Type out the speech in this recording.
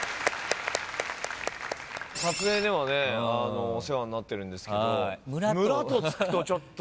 撮影ではお世話になってるんですけど「村」とつくとちょっと。